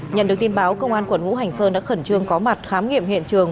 nhận được tin báo công an quận ngũ hành sơn đã khẩn trương có mặt khám nghiệm hiện trường